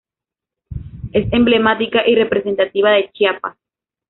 Es emblemática y representativa de Chiapas.